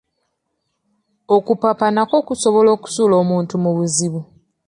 Okupapa nakwo kusobola okusuula omuntu mu bizibu.